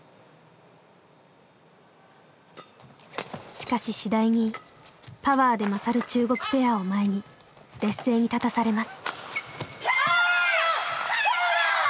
しかし次第にパワーで勝る中国ペアを前に劣勢に立たされます。